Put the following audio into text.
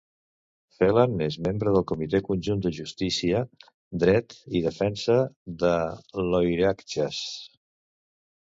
Phelan és membre de Comitè Conjunt de Justícia, Dret i Defensa de l'Oireachtas.